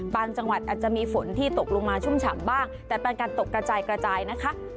จังหวัดอาจจะมีฝนที่ตกลงมาชุ่มฉ่ำบ้างแต่เป็นการตกกระจายกระจายนะคะ